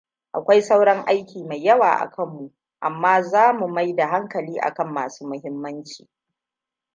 Akwai sauran aiki mai yawa akanmu, amma zamu mai da hankali akan masu muhimmanci.